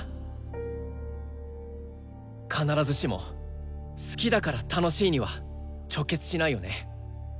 必ずしも「好きだから楽しい」には直結しないよね。